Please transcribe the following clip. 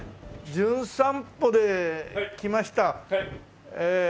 『じゅん散歩』で来ましたえ